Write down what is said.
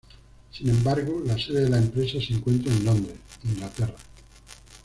Sin embargo, la sede de la empresa se encuentra en Londres, Inglaterra.